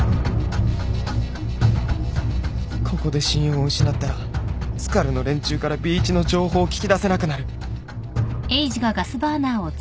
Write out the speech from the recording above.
ここで信用を失ったらスカルの連中から Ｂ 一の情報を聞き出せなくなる